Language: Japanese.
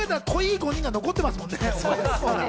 ５人が残ってますもんね。